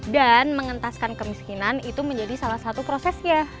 dan mengentaskan kemiskinan itu menjadi salah satu prosesnya